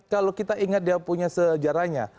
kalau kita ingat dia punya sejarahnya